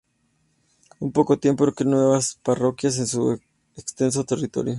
En poco tiempo creó nueve parroquias en su extenso territorio.